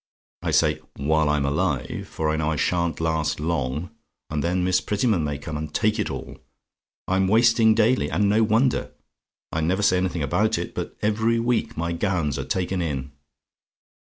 I say, while I'm alive; for I know I sha'n't last long, and then Miss Prettyman may come and take it all. I'm wasting daily, and no wonder. I never say anything about it, but every week my gowns are taken in.